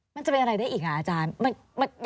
มันจะเป็นอะไรได้อีกอ่ะอาจารย์